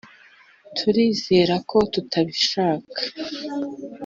turizera ko tutabishaka.